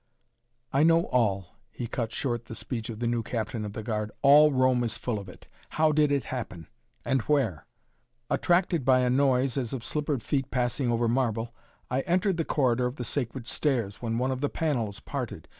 "I know all," he cut short the speech of the new captain of the guard. "All Rome is full of it. How did it happen? And where?" "Attracted by a noise as of slippered feet passing over marble, I entered the corridor of the Sacred Stairs, when one of the panels parted.